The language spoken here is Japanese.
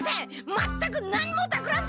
まったく何もたくらんでません！